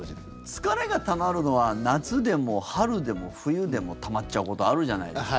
疲れがたまるのは夏でも春でも冬でもたまっちゃうことあるじゃないですか。